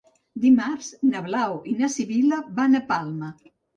Dimarts na Blau i na Sibil·la van a Palma.